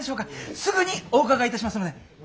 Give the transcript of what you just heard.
すぐにお伺いいたしますので。